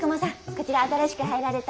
こちら新しく入られた。